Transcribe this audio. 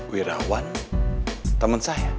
wirawan temen saya